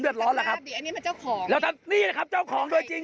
คุณไปถามคุณพ่อคุณนะฮะคุณทวีกลายคุกเนี่ย